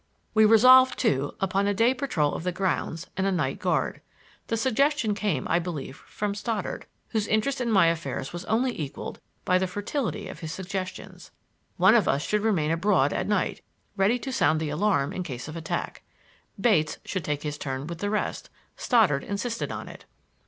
We resolved, too, upon a day patrol of the grounds and a night guard. The suggestion came, I believe, from Stoddard, whose interest in my affairs was only equaled by the fertility of his suggestions. One of us should remain abroad at night, ready to sound the alarm in case of attack. Bates should take his turn with the rest—Stoddard insisted on it.